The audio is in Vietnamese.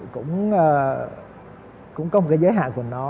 cũng có một cái giới hạn của nó